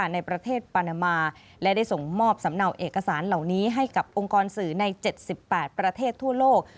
ในประเทศปานามาและได้ส่งมอบสำเนาเอกสารเหล่านี้ให้กับองค์กรสื่อใน๗๘ประเทศทั่วโลก